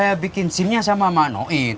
gak punya sama mak noit